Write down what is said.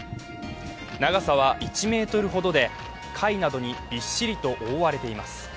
長さは１ｍほどで貝などにびっしりと覆われています。